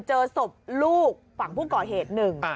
เจอศพลูกฝั่งผู้ก่อเหตุหนึ่ง